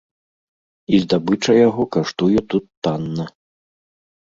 І здабыча яго каштуе тут танна.